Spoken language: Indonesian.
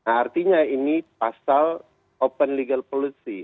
artinya ini pasal open legal policy